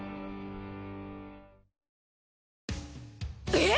えっ⁉